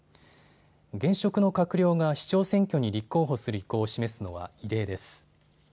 現職の閣僚が市長選挙に立候補する意向を示すのは異例です。